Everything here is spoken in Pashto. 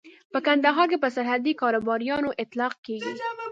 په کندهار کې پر سرحدي کاروباريانو اطلاق کېږي.